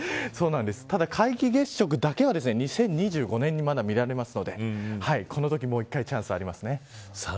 ただ皆既月食だけは２０２５年にまだ見られますのでこのときにもう一回チャンスがありますね。